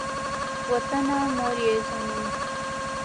وطنه مور یې زموږ.